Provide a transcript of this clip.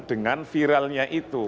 dengan viralnya itu